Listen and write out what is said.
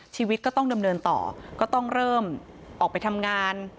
ชีวิตก็ต้องดำเนินต่อก็ต้องเริ่มออกไปทำงาน